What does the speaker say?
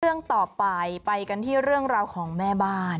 เรื่องต่อไปไปกันที่เรื่องราวของแม่บ้าน